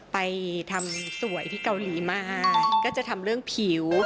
ไปทำสวยที่เกาหลีมาก็จะทำเรื่องผิว